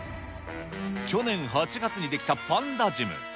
去年８月に出来たバンダジム。